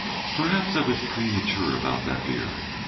Perhaps I was premature about that beer.